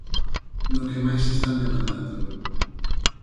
No que máis están demandando.